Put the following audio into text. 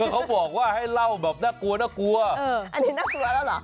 เขาบอกว่าให้เล่าแบบน่ากลัวน่ากลัวอันนี้น่ากลัวแล้วเหรอ